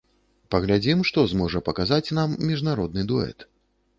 Паглядзім, што зможа паказаць нам міжнародны дуэт.